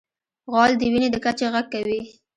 غول د وینې د کچې غږ کوي.